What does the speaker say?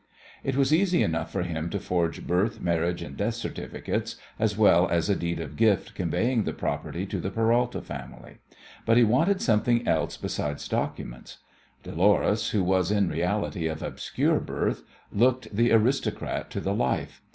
It was easy enough for him to forge birth, marriage and death certificates, as well as a deed of gift conveying the property to the Peralta family, but he wanted something else besides documents. Dolores, who was in reality of obscure birth, looked the aristocrat to the life.